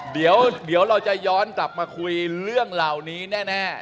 เดี๋ยวเราจะย้อนกลับมาคุยเรื่องเหล่านี้แน่